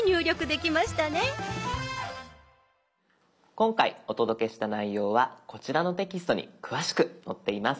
今回お届けした内容はこちらのテキストに詳しく載っています。